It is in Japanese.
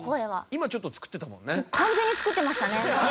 今ちょっと作ってたもんね。